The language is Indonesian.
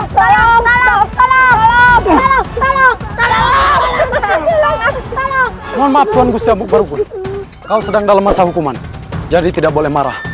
kamu sudah tuh kalau kamu baru kau sedang dalam masa hukuman jadi tidak boleh marah